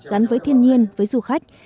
gắn với thiên nhiên với du khách